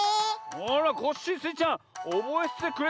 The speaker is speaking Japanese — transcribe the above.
あらコッシースイちゃんおぼえててくれたんけ。